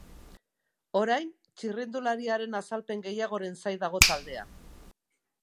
Orain, txirrindulariaren azalpen gehiagoren zain dago taldea.